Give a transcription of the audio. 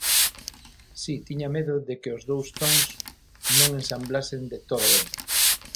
Si tiña medo de que os dous tons non ensamblasen de todo ben.